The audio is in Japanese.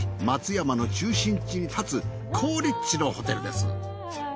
松山の中心地に建つ好立地のホテルです。